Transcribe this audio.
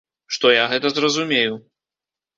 Што я гэта зразумею.